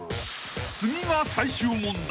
［次が最終問題］